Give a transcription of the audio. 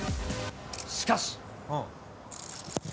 しかし。